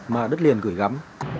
mà đất liền gửi gắm